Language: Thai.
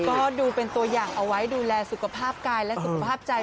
ก็ดูเป็นตัวอย่างเอาไว้ดูแลสุขภาพกายและสุขภาพใจ